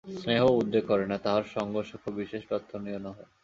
স্নেহও উদ্রেক করে না, তাহার সঙ্গসুখও বিশেষ প্রার্থনীয় নহে।